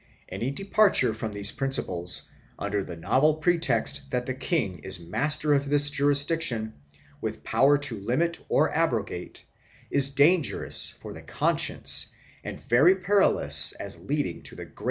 Any departure from these principles, under the novel pretext that the king is master of this jurisdiction, with power to limit or abrogate, is dangerous for the conscience and very perilous as leading to the gravest 1 Portocarrero, op.